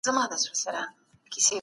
هر وګړی د سياست برخه نه ده.